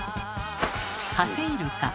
ハセイルカ。